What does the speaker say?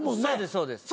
そうです